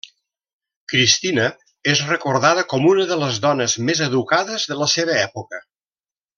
Cristina és recordada com una de les dones més educades de la seva època.